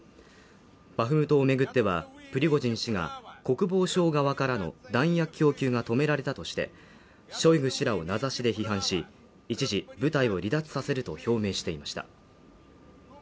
バフムトを巡っては、プリゴジン氏が国防省側からの弾薬供給が止められたとして、ショイグ氏らを名指しで批判し、一時部隊を離脱させると表明していました。